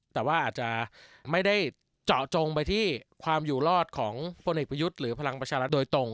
แต่ว่าอาจจะไม่ได้เจาะจงไปที่ความอยู่รอดของพลเอกประยุทธ์หรือพลังประชารัฐโดยตรง